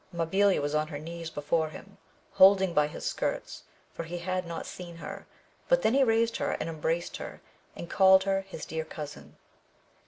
Mabilia was on her knees before him, holding by his skirts, for he had not seen her, but then he raised her and embraced her, and called her his dear cousin.